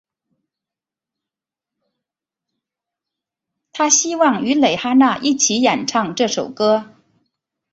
她希望与蕾哈娜一起演唱这首歌。